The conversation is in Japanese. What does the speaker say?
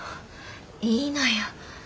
いいのよ。